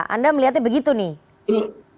anda melihatnya begitu nih